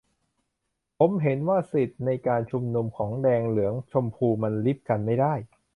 ผมเห็นว่าสิทธิในการชุมนุมของแดงเหลืองชมพูมันริบกันไม่ได้